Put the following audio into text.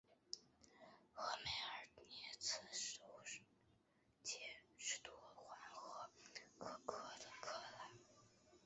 赫梅尔尼茨基试图缓和哥萨克与鞑靼人之间长达一百年的敌意。